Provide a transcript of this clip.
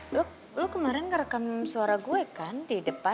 lo kemarin lo ngerekam suara gue kan di depan